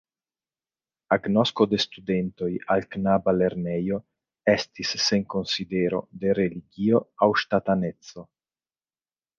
Agnosko de studentoj al knaba lernejo estis sen konsidero de religio aŭ ŝtataneco.